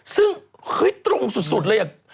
ซึ่งคุ้ยตรงสุดเลย